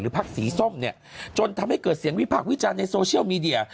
พักสีส้มเนี่ยจนทำให้เกิดเสียงวิพากษ์วิจารณ์ในโซเชียลมีเดีย